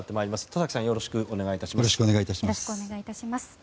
戸崎さんよろしくお願いします。